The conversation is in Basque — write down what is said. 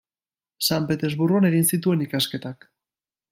San Petersburgon egin zituen ikasketak.